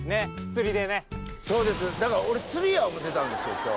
だから俺釣りや思てたんですよ今日。